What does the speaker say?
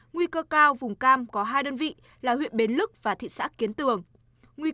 nguy cơ cao vùng cam có hai đơn vị là huyện bến lức và thị xã kiến tường